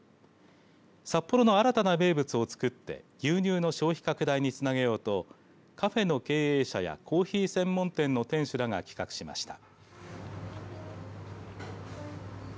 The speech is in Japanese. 札幌の新たな名物を作って牛乳の消費拡大につなげようとカフェの経営者やコーヒー専門店の店主らが企画しました。